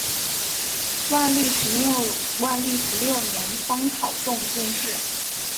万历十六年方考中进士。